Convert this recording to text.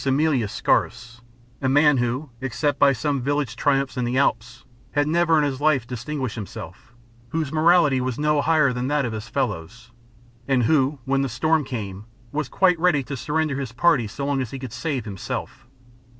Aemilius Scaurus, a man who, except by some village triumphs in the Alps, had never in his life distinguished himself, whose morality was no higher than that of his fellows, and who, when the storm came, was quite ready to surrender his party so long as he could save himself.